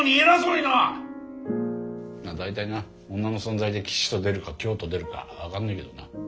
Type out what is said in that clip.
まあ大体な女の存在で吉と出るか凶と出るか分かんねえけどな。